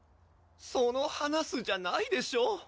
その「話す」じゃないでしょ！